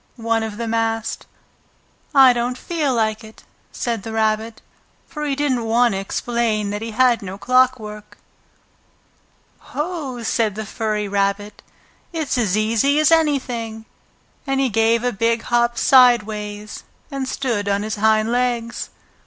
one of them asked. "I don't feel like it," said the Rabbit, for he didn't want to explain that he had no clockwork. "Ho!" said the furry rabbit. "It's as easy as anything," And he gave a big hop sideways and stood on his hind legs.